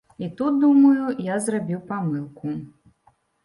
І тут, думаю, я зрабіў памылку.